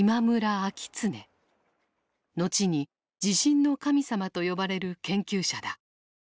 後に地震の神様と呼ばれる研究者だ。